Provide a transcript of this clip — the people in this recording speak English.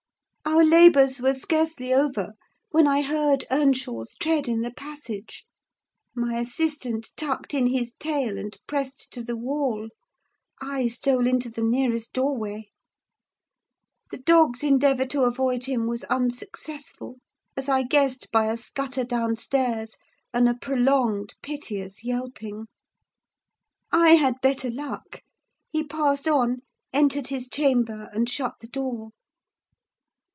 Our labours were scarcely over when I heard Earnshaw's tread in the passage; my assistant tucked in his tail, and pressed to the wall; I stole into the nearest doorway. The dog's endeavour to avoid him was unsuccessful; as I guessed by a scutter downstairs, and a prolonged, piteous yelping. I had better luck: he passed on, entered his chamber, and shut the door.